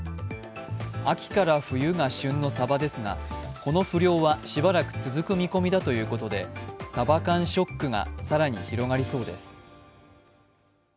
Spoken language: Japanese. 秋から冬が旬のサバですがこの不漁はしばらく続く見込みだということでさば缶ショックが更に広がりそうです。